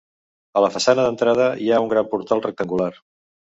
A la façana d'entrada hi ha un gran portal rectangular.